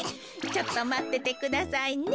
ちょっとまっててくださいね。